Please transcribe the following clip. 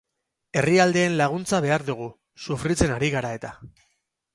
Herrialdeen laguntza behar dugu, sufritzen ari gara eta.